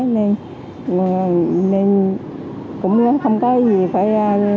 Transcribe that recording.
nên cũng không có gì phải